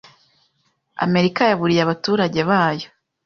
Amerika yaburiye abaturage bayo,